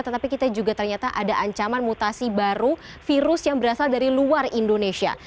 tetapi kita juga ternyata ada ancaman mutasi baru virus yang berasal dari luar indonesia